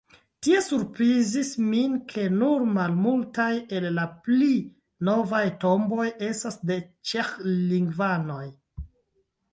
Tie surprizis min, ke nur malmultaj el la pli novaj tomboj estas de ĉeĥlingvanoj.